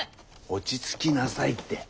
落ち着きなさいって。